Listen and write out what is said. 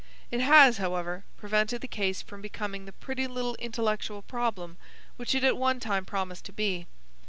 It has, however, prevented the case from becoming the pretty little intellectual problem which it at one time promised to be.